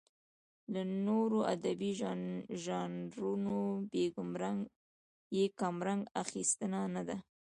له نورو ادبي ژانرونو یې کمرنګه اخیستنه نه ده.